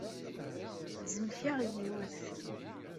Zemkeɣ yiwet.